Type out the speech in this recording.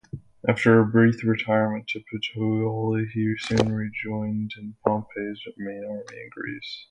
After a brief retirement to Puteoli he soon rejoined Pompey's main army in Greece.